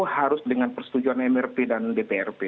harus dengan persetujuan mrp dan dprp